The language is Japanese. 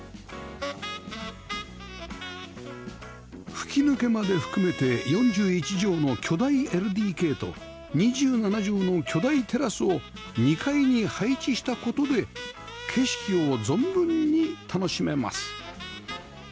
吹き抜けまで含めて４１畳の巨大 ＬＤＫ と２７畳の巨大テラスを２階に配置した事で景色を存分に楽しめます